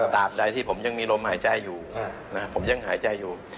ตามใดที่ผมยังมีลมหายใจอยู่ผมยังหายใจอยู่